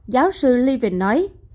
giáo sư levin nói